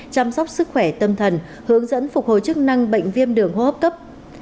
chăm sóc sức khỏe tâm thần hướng dẫn phục hồi chức năng bệnh viêm đường hô hấp cấp